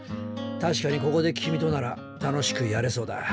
確かにここで君となら楽しくやれそうだ。